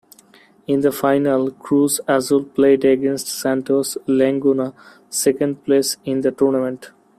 In the final, Cruz Azul played against Santos Laguna, second place in the tournament.